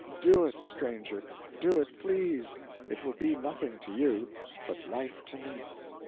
Do it, stranger—do it, please. It will be nothing to you, but life to me.